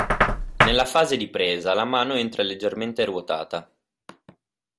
Nella fase di presa la mano entra leggermente ruotata.